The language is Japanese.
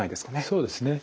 そうですね。